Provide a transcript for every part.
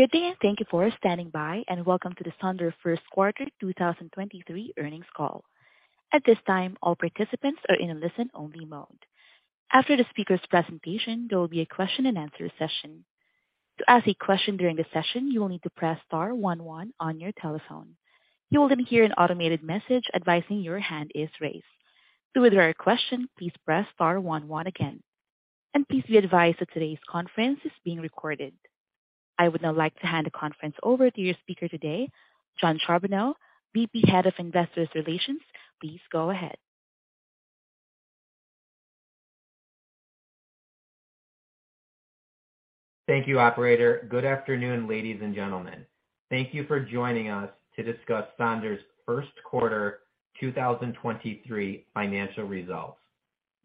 Good day, and thank you for standing by, and welcome to the Sonder Q1 2023 earnings call. At this time, all participants are in a listen-only mode. After the speaker's presentation, there will be a question and answer session. To ask a question during the session, you will need to press star one one on your telephone. You will then hear an automated message advising your hand is raised. To withdraw your question, please press star one one again. Please be advised that today's conference is being recorded. I would now like to hand the conference over to your speaker today, Jon Charbonneau, VP, Head of Investor Relations. Please go ahead. Thank you, operator. Good afternoon, ladies and gentlemen. Thank you for joining us to discuss Sonder's Q1 2023 financial results.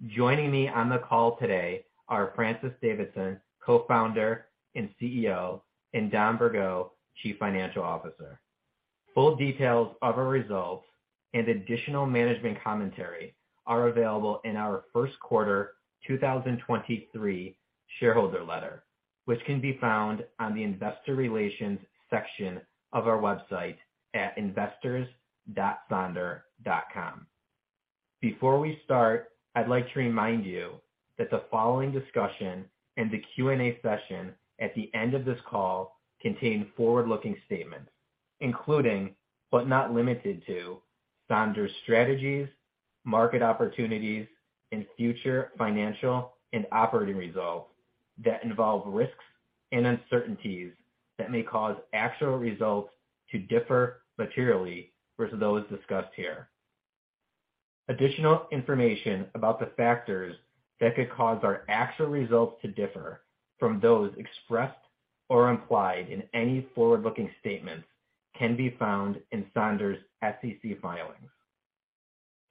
Joining me on the call today are Francis Davidson, Co-Founder and CEO, and Dom Bourgault, Chief Financial Officer. Full details of our results and additional management commentary are available in our Q1 2023 shareholder letter, which can be found on the investor relations section of our website at investors.sonder.com. Before we start, I'd like to remind you that the following discussion and the Q&A session at the end of this call contain forward-looking statements, including, but not limited to Sonder's strategies, market opportunities, and future financial and operating results that involve risks and uncertainties that may cause actual results to differ materially versus those discussed here. Additional information about the factors that could cause our actual results to differ from those expressed or implied in any forward-looking statements can be found in Sonder's SEC filings.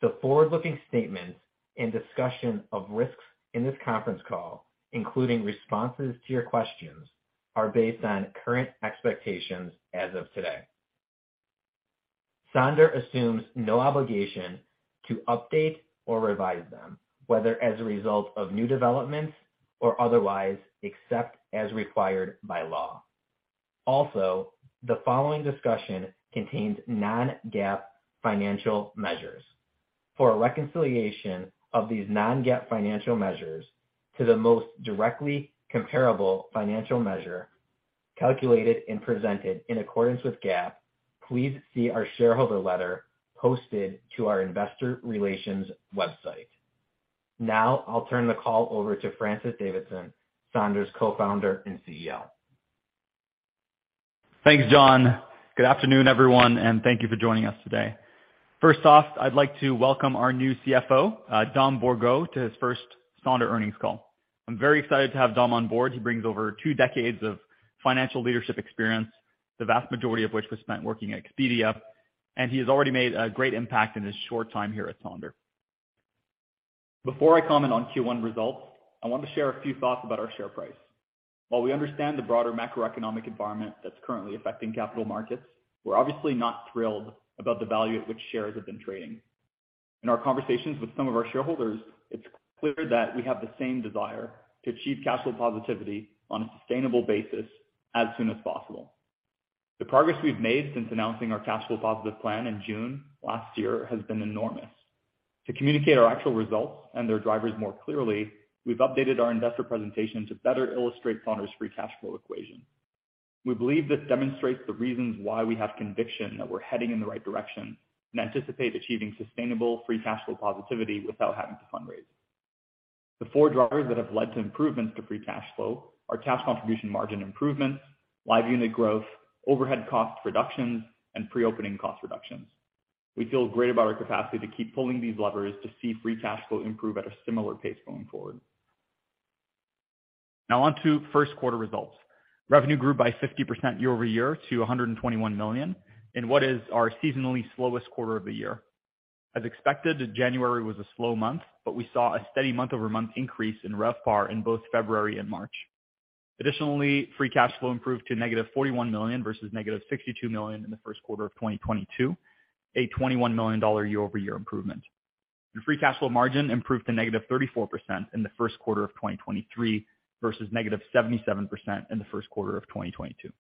The forward-looking statements and discussion of risks in this conference call, including responses to your questions, are based on current expectations as of today. Sonder assumes no obligation to update or revise them, whether as a result of new developments or otherwise, except as required by law. Also, the following discussion contains non-GAAP financial measures. For a reconciliation of these non-GAAP financial measures to the most directly comparable financial measure calculated and presented in accordance with GAAP, please see our shareholder letter posted to our investor relations website. Now, I'll turn the call over to Francis Davidson, Sonder's Co-founder and CEO. Thanks, Jon. Good afternoon, everyone, and thank you for joining us today. First off, I'd like to welcome our new CFO, Dom Bourgault, to his first Sonder earnings call. I'm very excited to have Dom on board. He brings over two decades of financial leadership experience, the vast majority of which was spent working at Expedia, and he has already made a great impact in his short time here at Sonder. Before I comment on Q1 results, I want to share a few thoughts about our share price. While we understand the broader macroeconomic environment that's currently affecting capital markets, we're obviously not thrilled about the value at which shares have been trading. In our conversations with some of our shareholders, it's clear that we have the same desire to achieve cash flow positivity on a sustainable basis as soon as possible. The progress we've made since announcing our cash flow positive plan in June last year has been enormous. To communicate our actual results and their drivers more clearly, we've updated our investor presentation to better illustrate Sonder's free cash flow equation. We believe this demonstrates the reasons why we have conviction that we're heading in the right direction and anticipate achieving sustainable free cash flow positivity without having to fundraise. The four drivers that have led to improvements to free cash flow are cash contribution margin improvements, live unit growth, overhead cost reductions, and pre-opening cost reductions. We feel great about our capacity to keep pulling these levers to see free cash flow improve at a similar pace going forward. On to Q1 results. Revenue grew by 50% year-over-year to $121 million in what is our seasonally slowest quarter of the year. As expected, January was a slow month, but we saw a steady month-over-month increase in RevPAR in both February and March. Free cash flow improved to -$41 million versus -$62 million in the Q1 of 2022, a $21 million year-over-year improvement. Free cash flow margin improved to -34% in the Q1 of 2023 versus -77% in the Q1 of 2022.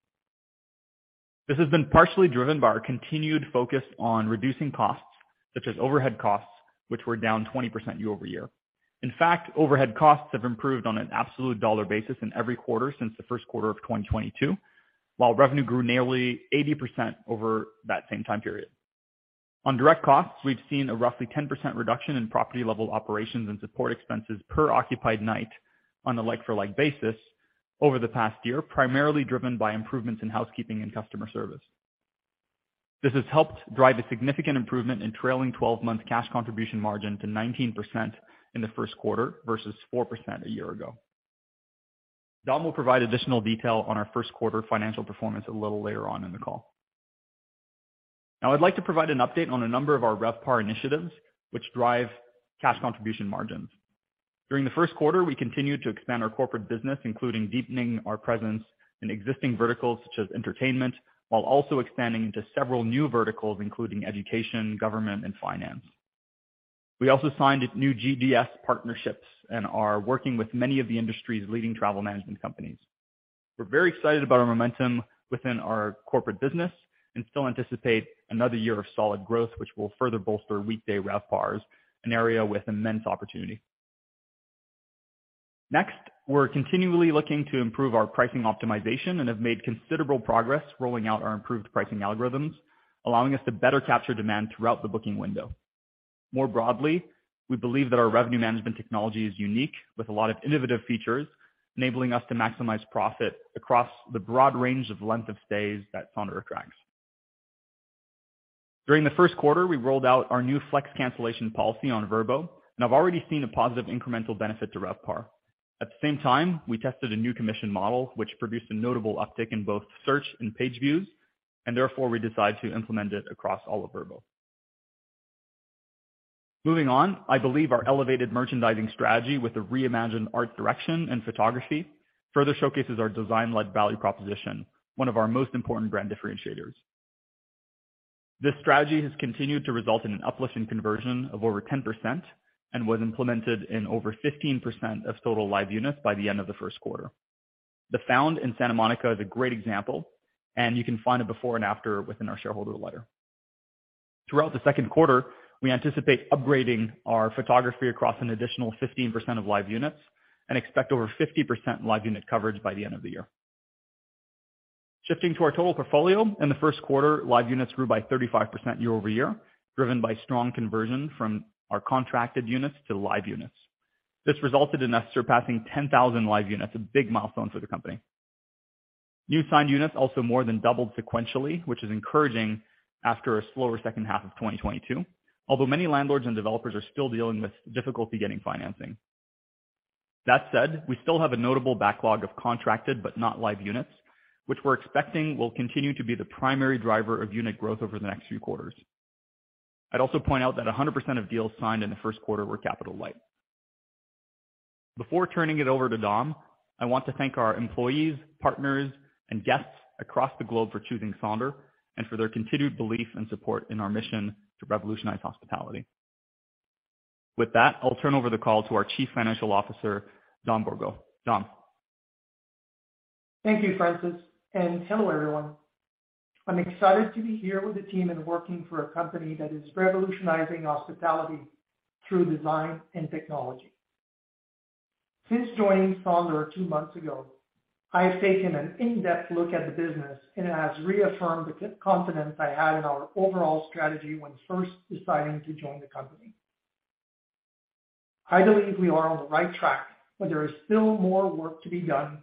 This has been partially driven by our continued focus on reducing costs, such as overhead costs, which were down 20% year-over-year. In fact, overhead costs have improved on an absolute dollar basis in every quarter since the Q1 of 2022. While revenue grew nearly 80% over that same time period. On direct costs, we've seen a roughly 10% reduction in property-level operations and support expenses per occupied night on a like-for-like basis over the past year, primarily driven by improvements in housekeeping and customer service. This has helped drive a significant improvement in trailing 12-month cash contribution margin to 19% in the Q1 versus 4% a year ago. Dom will provide additional detail on our Q1 financial performance a little later on in the call. I'd like to provide an update on a number of our RevPAR initiatives which drive cash contribution margins. During the Q1, we continued to expand our corporate business, including deepening our presence in existing verticals such as entertainment, while also expanding into several new verticals, including education, government, and finance. We also signed new GDS partnerships and are working with many of the industry's leading travel management companies. We're very excited about our momentum within our corporate business and still anticipate another year of solid growth, which will further bolster weekday RevPARs, an area with immense opportunity. Next, we're continually looking to improve our pricing optimization and have made considerable progress rolling out our improved pricing algorithms, allowing us to better capture demand throughout the booking window. More broadly, we believe that our revenue management technology is unique with a lot of innovative features, enabling us to maximize profit across the broad range of length of stays that Sonder attracts. During the Q1, we rolled out our new flex cancellation policy on Vrbo. I've already seen a positive incremental benefit to RevPAR. At the same time, we tested a new commission model, which produced a notable uptick in both search and page views. Therefore, we decided to implement it across all of Vrbo. Moving on, I believe our elevated merchandising strategy with a reimagined art direction and photography further showcases our design-led value proposition, one of our most important brand differentiators. This strategy has continued to result in an uplift in conversion of over 10% and was implemented in over 15% of total live units by the end of the Q1. The Found Santa Monica is a great example. You can find a before and after within our shareholder letter. Throughout the Q2, we anticipate upgrading our photography across an additional 15% of live units and expect over 50% live unit coverage by the end of the year. Shifting to our total portfolio. In the Q1, live units grew by 35% year-over-year, driven by strong conversion from our contracted units to live units. This resulted in us surpassing 10,000 live units, a big milestone for the company. New signed units also more than doubled sequentially, which is encouraging after a slower second half of 2022. Many landlords and developers are still dealing with difficulty getting financing. That said, we still have a notable backlog of contracted but not live units, which we're expecting will continue to be the primary driver of unit growth over the next few quarters. I'd also point out that 100% of deals signed in the Q1 were capital light. Before turning it over to Dom, I want to thank our employees, partners, and guests across the globe for choosing Sonder and for their continued belief and support in our mission to revolutionize hospitality. I'll turn over the call to our Chief Financial Officer, Dom Bourgault. Dom. Thank you, Francis. Hello, everyone. I'm excited to be here with the team and working for a company that is revolutionizing hospitality through design and technology. Since joining Sonder two months ago, I have taken an in-depth look at the business. It has reaffirmed the confidence I had in our overall strategy when first deciding to join the company. I believe we are on the right track, there is still more work to be done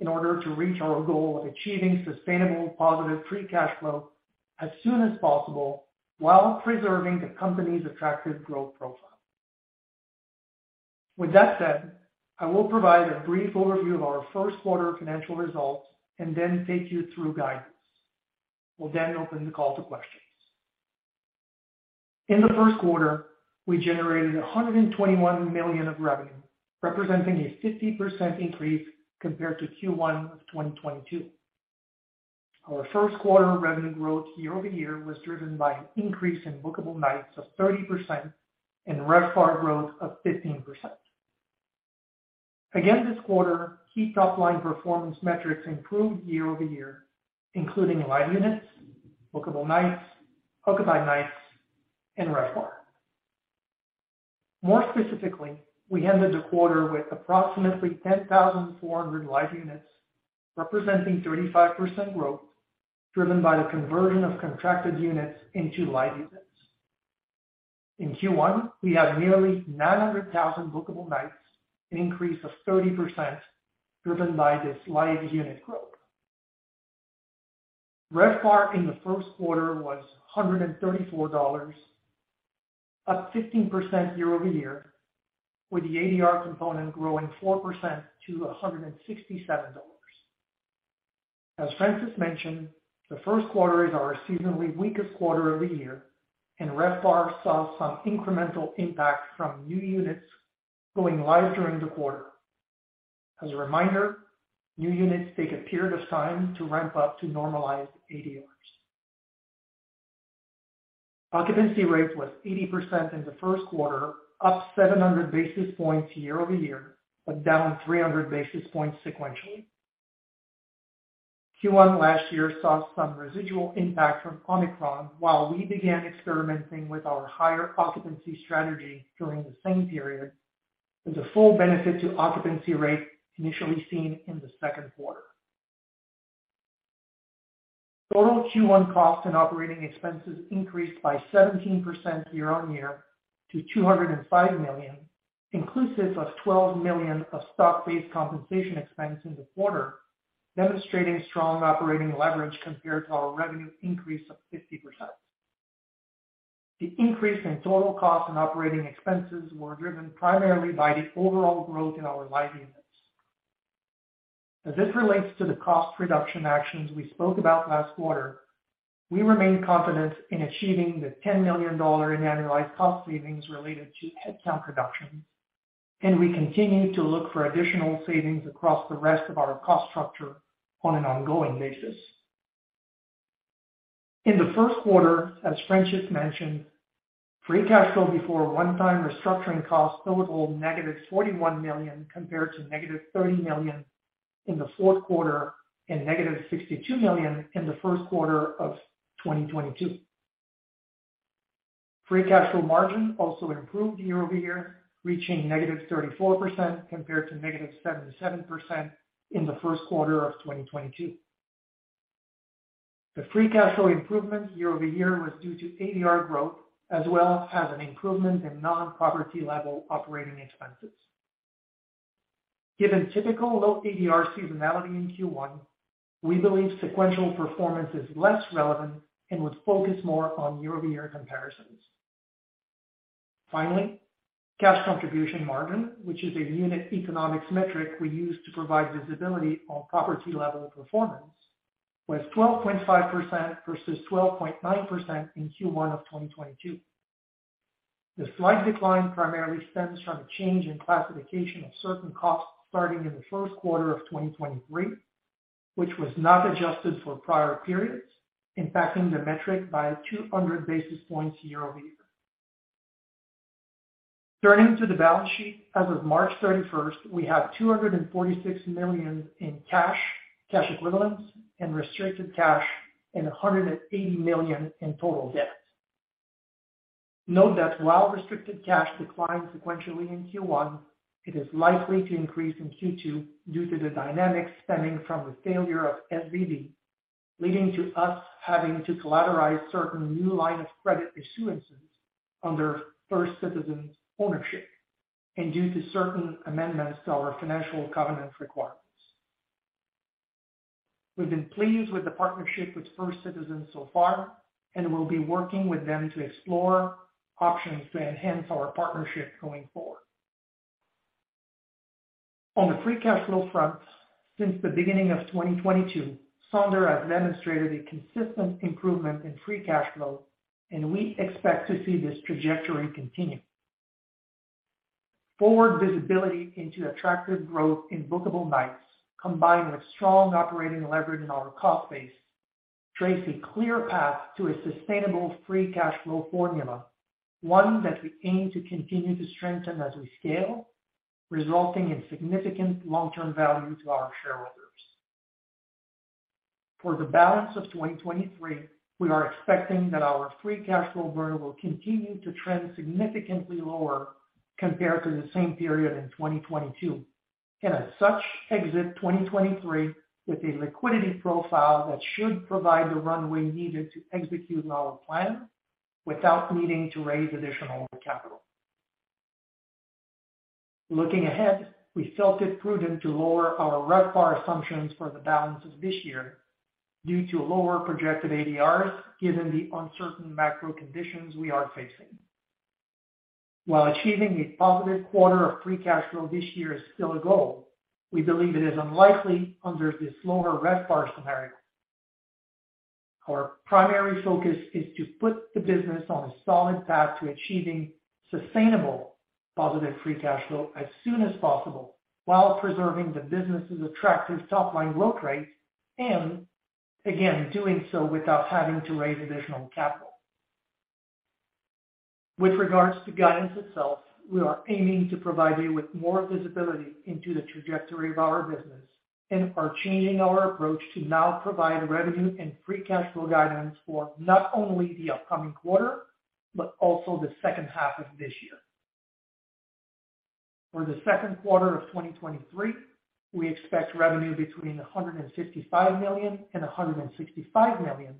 in order to reach our goal of achieving sustainable positive free cash flow as soon as possible while preserving the company's attractive growth profile. With that said, I will provide a brief overview of our Q1 financial results and then take you through guidance. We'll open the call to questions. In the Q1, we generated $121 million of revenue, representing a 50% increase compared to Q1 of 2022. Our Q1 revenue growth year-over-year was driven by an increase in bookable nights of 30% and RevPAR growth of 15%. Again this quarter, key top-line performance metrics improved year-over-year, including live units, bookable nights, occupied nights, and RevPAR. More specifically, we ended the quarter with approximately 10,400 live units, representing 35% growth, driven by the conversion of contracted units into live units. In Q1, we had nearly 900,000 bookable nights, an increase of 30% driven by this live unit growth. RevPAR in the Q1 was $134, up 15% year-over-year, with the ADR component growing 4% to $167. As Francis mentioned, the Q1 is our seasonally weakest quarter of the year, RevPAR saw some incremental impact from new units going live during the quarter. As a reminder, new units take a period of time to ramp up to normalized ADRs. Occupancy rate was 80% in the Q1, up 700 basis points year-over-year, but down 300 basis points sequentially. Q1 last year saw some residual impact from Omicron while we began experimenting with our higher occupancy strategy during the same period as a full benefit to occupancy rate initially seen in the Q2. Total Q1 costs and operating expenses increased by 17% year-on-year to $205 million, inclusive of $12 million of stock-based compensation expense in the quarter, demonstrating strong operating leverage compared to our revenue increase of 50%. The increase in total cost and operating expenses were driven primarily by the overall growth in our live units. As this relates to the cost reduction actions we spoke about last quarter, we remain confident in achieving the $10 million in annualized cost savings related to headcount reduction, we continue to look for additional savings across the rest of our cost structure on an ongoing basis. In the Q1, as Francis mentioned, free cash flow before one-time restructuring costs totaled negative $41 million compared to negative $30 million in the Q4 and negative $62 million in the Q1 of 2022. Free cash flow margin also improved year-over-year, reaching negative 34% compared to negative 77% in the Q1 of 2022. The free cash flow improvement year-over-year was due to ADR growth as well as an improvement in non-property level operating expenses. Given typical low ADR seasonality in Q1, we believe sequential performance is less relevant and would focus more on year-over-year comparisons. Cash contribution margin, which is a unit economics metric we use to provide visibility on property level performance, was 12.5% versus 12.9% in Q1 of 2022. The slight decline primarily stems from a change in classification of certain costs starting in the Q1 of 2023, which was not adjusted for prior periods, impacting the metric by 200 basis points year-over-year. Turning to the balance sheet, as of March 31st, we have $246 million in cash equivalents and restricted cash, and $180 million in total debt. Note that while restricted cash declined sequentially in Q1, it is likely to increase in Q2 due to the dynamics stemming from the failure of SVB, leading to us having to collateralize certain new line of credit issuances under First Citizens ownership and due to certain amendments to our financial covenant requirements. We've been pleased with the partnership with First Citizens so far, and we'll be working with them to explore options to enhance our partnership going forward. On the free cash flow front, since the beginning of 2022, Sonder has demonstrated a consistent improvement in free cash flow, and we expect to see this trajectory continue. Forward visibility into attractive growth in bookable nights, combined with strong operating leverage in our cost base, trace a clear path to a sustainable free cash flow formula, one that we aim to continue to strengthen as we scale, resulting in significant long-term value to our shareholders. For the balance of 2023, we are expecting that our free cash flow burn will continue to trend significantly lower compared to the same period in 2022. As such, exit 2023 with a liquidity profile that should provide the runway needed to execute on our plan without needing to raise additional capital. Looking ahead, we felt it prudent to lower our RevPAR assumptions for the balance of this year due to lower projected ADRs given the uncertain macro conditions we are facing. While achieving a positive quarter of free cash flow this year is still a goal, we believe it is unlikely under the slower RevPAR scenario. Our primary focus is to put the business on a solid path to achieving sustainable positive free cash flow as soon as possible while preserving the business's attractive top line growth rate and again, doing so without having to raise additional capital. With regards to guidance itself, we are aiming to provide you with more visibility into the trajectory of our business and are changing our approach to now provide revenue and free cash flow guidance for not only the upcoming quarter, but also the H2 of this year. For the Q2 of 2023, we expect revenue between $155 million and $165 million,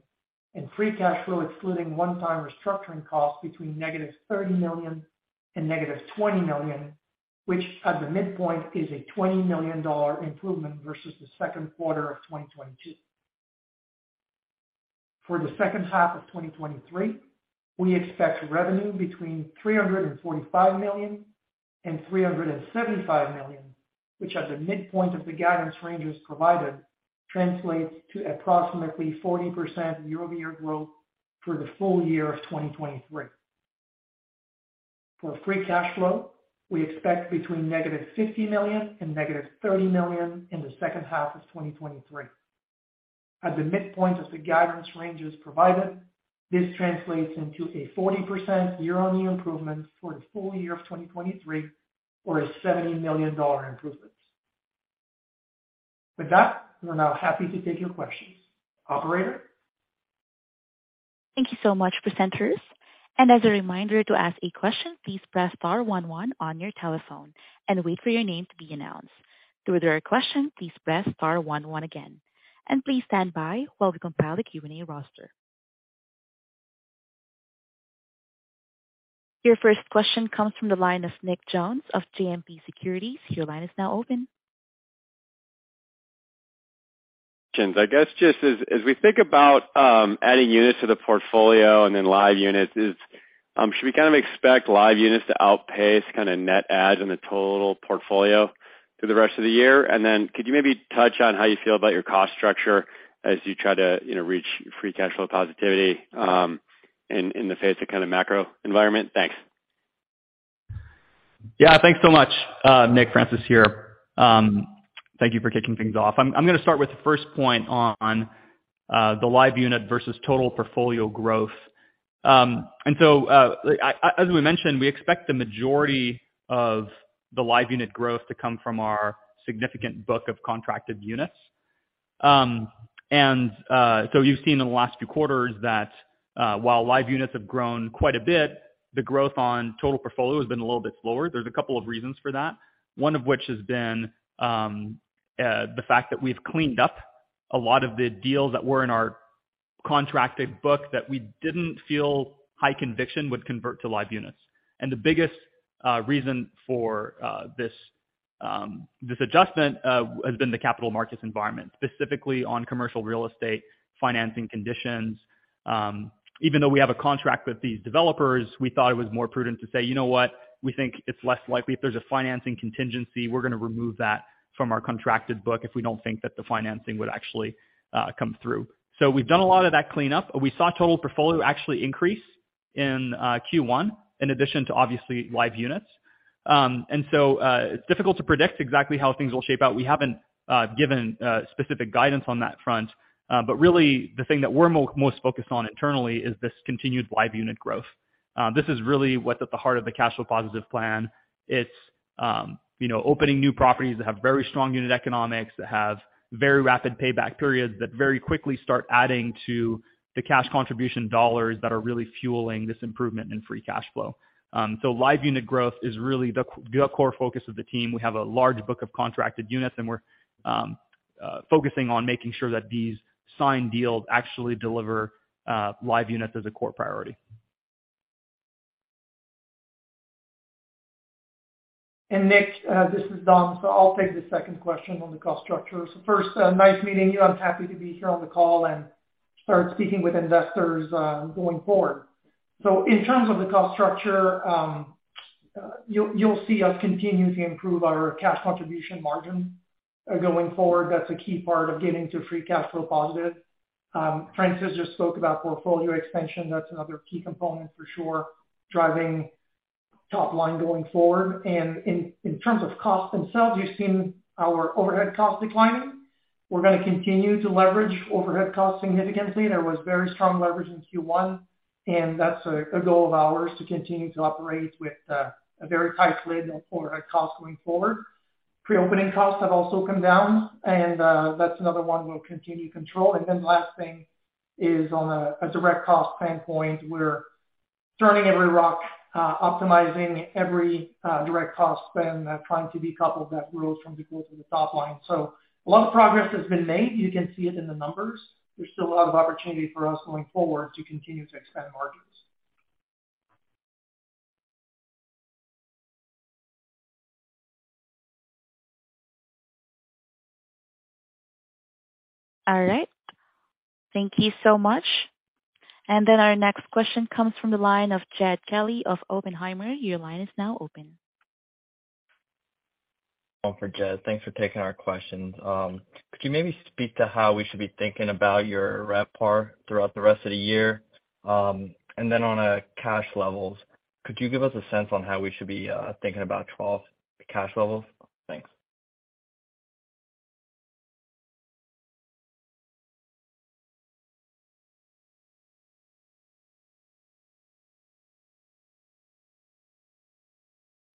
and free cash flow excluding one-time restructuring costs between -$30 million and -$20 million, which at the midpoint is a $20 million improvement versus the Q2 of 2022. For the H2 of 2023, we expect revenue between $345 million and $375 million, which at the midpoint of the guidance ranges provided translates to approximately 40% year-over-year growth for the full year of 2023. For free cash flow, we expect between -$50 million and -$30 million in the H2 of 2023. At the midpoint of the guidance ranges provided, this translates into a 40% year-on-year improvement for the full year of 2023, or a $70 million improvement. With that, we are now happy to take your questions. Operator? Thank you so much, presenters. As a reminder, to ask a question, please press star one one on your telephone and wait for your name to be announced. To withdraw your question, please press star one one again. Please stand by while we compile the Q&A roster. Your first question comes from the line of Nicholas Jones of JMP Securities. Your line is now open. I guess just as we think about adding units to the portfolio and then live units is, should we kind of expect live units to outpace kind of net adds in the total portfolio through the rest of the year? Could you maybe touch on how you feel about your cost structure as you try to, you know, reach free cash flow positivity in the face of kind of macro environment? Thanks. Yeah. Thanks so much, Nick. Francis here. Thank you for kicking things off. I'm gonna start with the first point on the live unit versus total portfolio growth. As we mentioned, we expect the majority of the live unit growth to come from our significant book of contracted units. You've seen in the last few quarters that while live units have grown quite a bit, the growth on total portfolio has been a little bit slower. There's a couple of reasons for that. One of which has been the fact that we've cleaned up a lot of the deals that were in our contracted book that we didn't feel high conviction would convert to live units. The biggest reason for this adjustment has been the capital markets environment, specifically on commercial real estate financing conditions. Even though we have a contract with these developers, we thought it was more prudent to say, "You know what? We think it's less likely if there's a financing contingency, we're gonna remove that from our contracted book if we don't think that the financing would actually come through." We've done a lot of that cleanup. We saw total portfolio actually increase in Q1 in addition to obviously live units. It's difficult to predict exactly how things will shape out. We haven't given specific guidance on that front. Really the thing that we're most focused on internally is this continued live unit growth. This is really what's at the heart of the cash flow positive plan. It's, you know, opening new properties that have very strong unit economics, that have very rapid payback periods that very quickly start adding to the cash contribution dollars that are really fueling this improvement in free cash flow. Live unit growth is really the core focus of the team. We have a large book of contracted units, and we're focusing on making sure that these signed deals actually deliver live units as a core priority. Nick, this is Dom. I'll take the second question on the cost structure. First, nice meeting you. I'm happy to be here on the call and start speaking with investors going forward. In terms of the cost structure, you'll see us continue to improve our cash contribution margin going forward. That's a key part of getting to free cash flow positive. Francis just spoke about portfolio expansion. That's another key component for sure, driving top line going forward. In terms of cost themselves, you've seen our overhead costs declining. We're gonna continue to leverage overhead costs significantly. There was very strong leverage in Q1, and that's a goal of ours to continue to operate with a very tight lid on overhead costs going forward. Pre-opening costs have also come down and that's another one we'll continue to control. Last thing is on a direct cost standpoint. We're turning every rock, optimizing every direct cost spend, trying to decouple that growth from the growth of the top line. A lot of progress has been made. You can see it in the numbers. There's still a lot of opportunity for us going forward to continue to expand margins. All right. Thank you so much. Our next question comes from the line of Jed Kelly of Oppenheimer. Your line is now open. One for Jed. Thanks for taking our questions. Could you maybe speak to how we should be thinking about your RevPAR throughout the rest of the year? On cash levels, could you give us a sense on how we should be thinking about 12 cash levels? Thanks.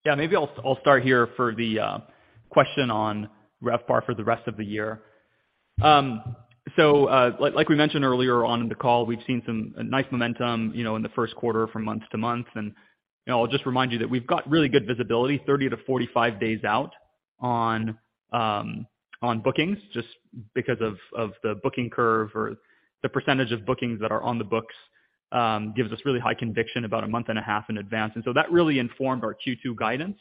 Yeah. Maybe I'll start here for the question on RevPAR for the rest of the year. Like, like we mentioned earlier on in the call, we've seen some nice momentum, you know, in the Q1 from month-to-month. You know, I'll just remind you that we've got really good visibility, 30-45 days out on bookings just because of the booking curve or the percentage of bookings that are on the books, gives us really high conviction about a month and a half in advance. That really informed our Q2 guidance.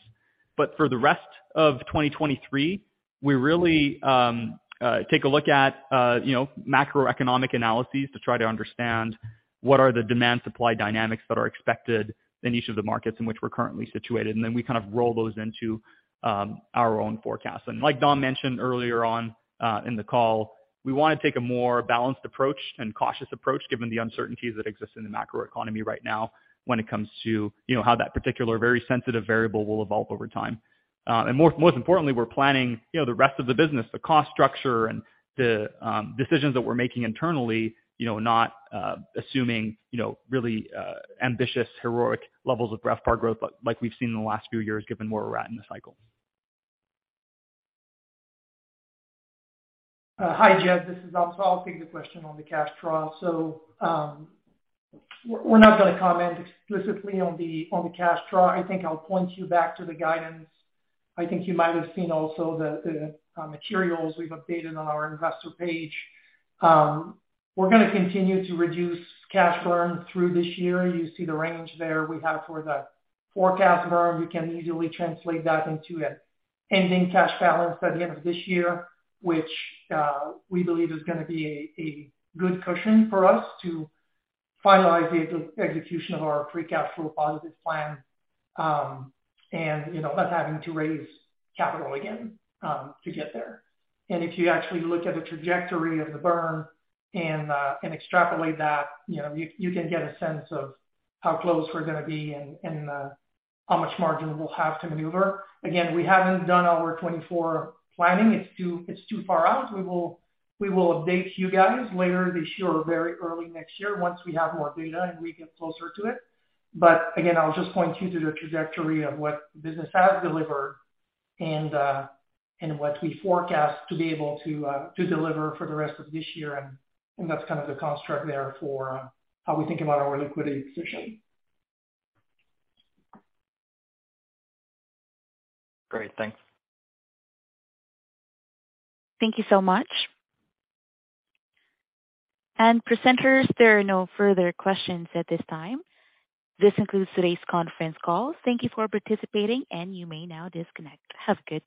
For the rest of 2023, we really take a look at, you know, macroeconomic analyses to try to understand what are the demand supply dynamics that are expected in each of the markets in which we're currently situated. We kind of roll those into our own forecast. Like Dom mentioned earlier on in the call, we wanna take a more balanced approach and cautious approach given the uncertainties that exist in the macroeconomy right now when it comes to, you know, how that particular very sensitive variable will evolve over time. More, most importantly, we're planning, you know, the rest of the business, the cost structure and the decisions that we're making internally, you know, not assuming, you know, really ambitious, heroic levels of RevPAR growth like we've seen in the last few years given where we're at in the cycle. Hi, Jed. This is Dom. I'll take the question on the cash draw. We're not gonna comment explicitly on the cash draw. I think I'll point you back to the guidance. I think you might have seen also the materials we've updated on our investor page. We're gonna continue to reduce cash burn through this year. You see the range there we have for the forecast burn. We can easily translate that into an ending cash balance by the end of this year, which we believe is gonna be a good cushion for us to finalize the execution of our free cash flow positive plan, and, you know, us having to raise capital again to get there. If you actually look at the trajectory of the burn and extrapolate that, you know, you can get a sense of how close we're gonna be and how much margin we'll have to maneuver. Again, we haven't done our 2024 planning. It's too far out. We will update you guys later this year or very early next year once we have more data and we get closer to it. Again, I'll just point you to the trajectory of what the business has delivered and what we forecast to be able to deliver for the rest of this year. That's kind of the construct there for how we think about our liquidity position. Great. Thanks. Thank you so much. Presenters, there are no further questions at this time. This concludes today's conference call. Thank you for participating and you may now disconnect. Have a good day.